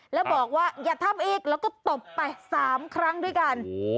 แล้วบอกว่าอย่าทำอีกแล้วก็ตบไป๓ครั้งด้วยกัน